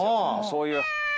そういう。